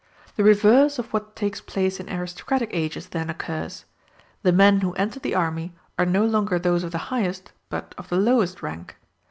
The reverse of what takes place in aristocratic ages then occurs; the men who enter the army are no longer those of the highest, but of the lowest rank.